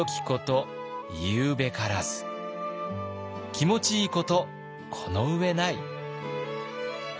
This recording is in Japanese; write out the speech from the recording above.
「気持ちいいことこの上ない」。